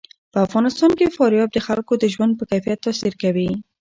په افغانستان کې فاریاب د خلکو د ژوند په کیفیت تاثیر کوي.